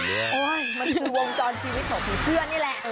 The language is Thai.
มันคือวงจรชีวิตของผีเสื้อนี่แหละ